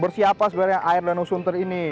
bersih apa sebenarnya air danau sunter ini